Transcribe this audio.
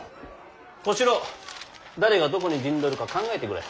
小四郎誰がどこに陣取るか考えてくれ。